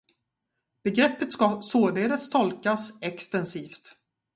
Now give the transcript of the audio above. Begreppet ska således tolkas extensivt.